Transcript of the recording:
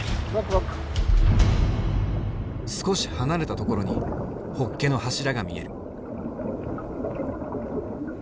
少し離れたところにホッケの柱が見える。